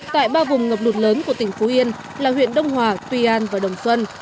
tại ba vùng ngập lụt lớn của tỉnh phú yên là huyện đông hòa tuy an và đồng xuân